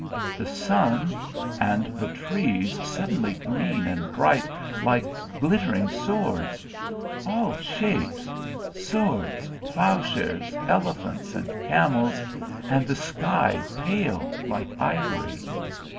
"The sun and the trees suddenly green and bright like glittering swords. All shapes swords, plowshares, elephants, and camels and the sky pale like ivory.